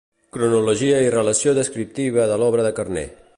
«Cronologia i relació descriptiva de l'obra de Carner».